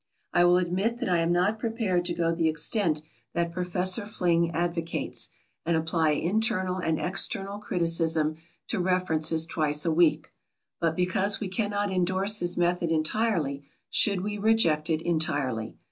I will admit that I am not prepared to go the extent that Professor Fling advocates, and apply "internal" and "external" criticism to references twice a week. But because we cannot endorse his method entirely, should we reject it entirely?